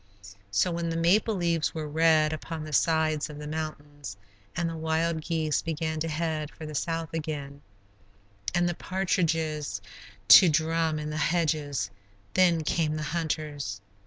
So when the maple leaves were red upon the sides of the mountains and the wild geese began to head for the south again, and the partridges to drum in the hedges, then came the hunters.